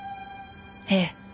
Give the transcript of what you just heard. ええ。